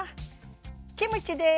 キムチです！